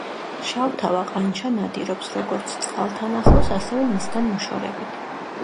შავთავა ყანჩა ნადირობს როგორც წყალთან ახლოს, ასევე მისგან მოშორებით.